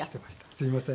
すいません。